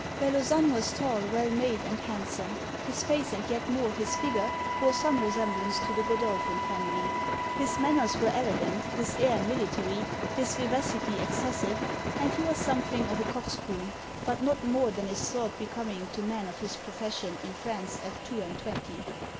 Bellozane was tall, well made, and handsome; his face, and yet more, his figure, bore some resemblance to the Godolphin family; his manners were elegant, his air military, his vivacity excessive, and he was something of a coxcomb, but not more than is thought becoming to men of his profession in France at two and twenty.